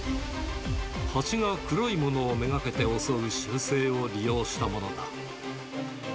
ハチが黒いものを目がけて襲う習性を利用したものだ。